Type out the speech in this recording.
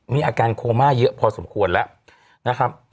มีอาการโคม่าเยอะพอสมควรแล้วนะครับ